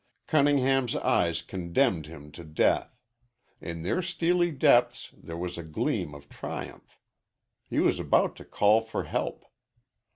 Cunningham's eyes condemned him to death. In their steely depths there was a gleam of triumph. He was about to call for help.